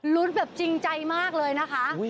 แบบจริงใจมากเลยนะคะ